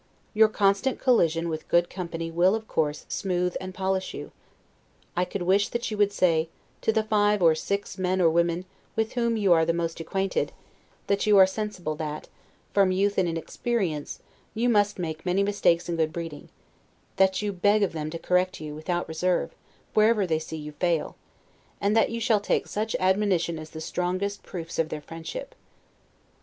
Your constant collision with good company will, of course, smooth and polish you. I could wish that you would say, to the five or six men or women with whom you are the most acquainted, that you are sensible that, from youth and inexperience, you must make many mistakes in good breeding; that you beg of them to correct you, without reserve, wherever they see you fail; and that you shall take such admonition as the strongest proofs of their friendship.